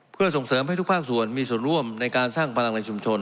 เพื่อส่งเสริมให้ทุกภาคส่วนมีส่วนร่วมในการสร้างพลังในชุมชน